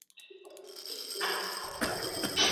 زده کوونکي نوې موضوعګانې زده کوي.